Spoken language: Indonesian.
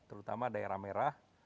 terutama daerah merah